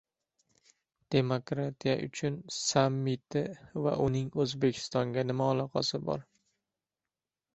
"Demokratiya uchun" sammiti va uning O‘zbekistonga nima aloqasi bor?